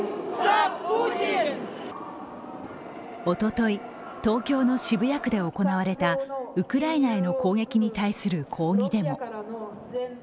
おととい、東京の渋谷区で行われたウクライナへの攻撃に対する抗議デモ。